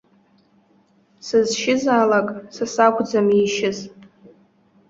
Сызшьызаалак, са сакәӡам иишьыз.